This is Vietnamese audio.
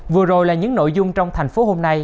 vừa rồi là những nội dung trong thành phố hôm nay